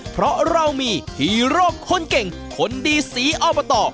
เพราะเรามีฮีโรคนเก่งคนดีสีอ้อมปะต่อ